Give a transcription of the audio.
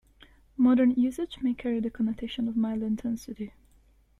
Modern usage may carry the connotation of mild intensity.